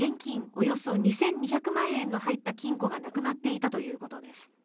およそ２２００万円の入った金庫がなくなっていたということです。